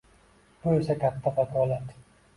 Bu esa katta vakolat.